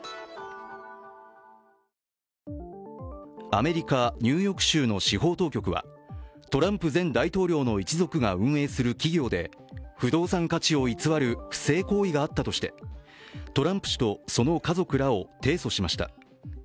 アメリカ・ニューヨーク州の司法当局はトランプ前大統領の一族が運営する企業で不動産価値を偽る不正行為があったとしてトランプ氏とその家族らを提訴しました。